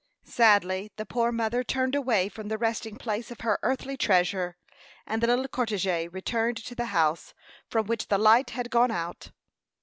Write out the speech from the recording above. Sadly the poor mother turned away from the resting place of her earthly treasure, and the little cortège returned to the house from which the light had gone out.